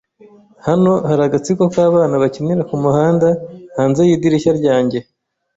Hano hari agatsiko k'abana bakinira kumuhanda hanze yidirishya ryanjye.